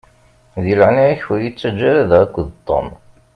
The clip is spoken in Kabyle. Di leɛnaya-k ur yi-ttaǧǧa ara da akked Tom.